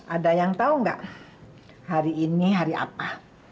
ada yang tau gak hari ini hari apa